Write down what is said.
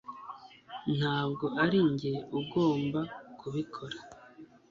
Ntabwo arinjye ugomba kubikora